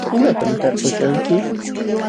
¿imatam talpuykanki?